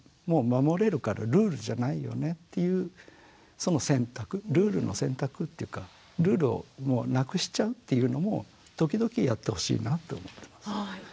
もう守れるからルールじゃないよねっていうその選択ルールの選択っていうかルールをなくしちゃうっていうのも時々やってほしいなって思ってます。